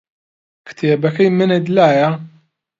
کتێبەکەی منت لایە؟